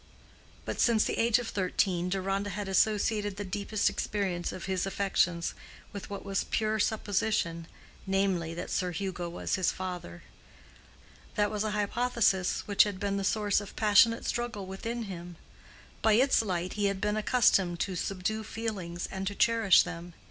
But since the age of thirteen Deronda had associated the deepest experience of his affections with what was a pure supposition, namely, that Sir Hugo was his father: that was a hypothesis which had been the source of passionate struggle within him; by its light he had been accustomed to subdue feelings and to cherish them.